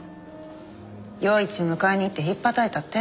与一迎えに行ってひっぱたいたって？